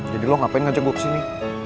jadi lo ngapain ngajak gue kesini